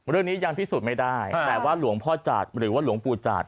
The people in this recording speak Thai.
ยังพิสูจน์ไม่ได้แต่ว่าหลวงพ่อจัดหรือว่าหลวงปู่จัด